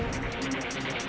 saya sudah tanya sama bapak